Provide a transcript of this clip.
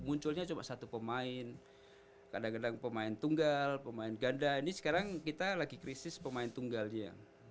munculnya cuma satu pemain kadang kadang pemain tunggal pemain ganda ini sekarang kita lagi krisis pemain tunggalnya